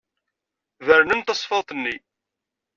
Bernen tasfeḍt-nni.